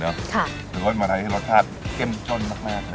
คุณคนมราชาชีวิตเพราะรสชาติเข้มขนมากเลย